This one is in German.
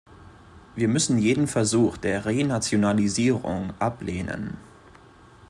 Wir müssen jeden Versuch der Renationalisierung ablehnen.